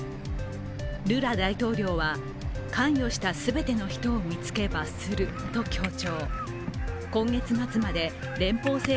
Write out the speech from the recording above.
ルラ大統領は関与した全ての人を見つけ罰すると強調。